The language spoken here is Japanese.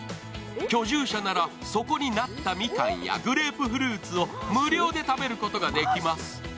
居住者なら、そこになったみかんやグレープフルーツを無料で食べることができます。